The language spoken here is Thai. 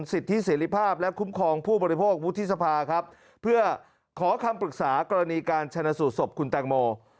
สิทธิเสรีภาพและคุ้มครองผู้บริโภควุฒิสภาครับเพื่อขอคำปรึกษากรณีการชนะสูตรศพคุณแตงโม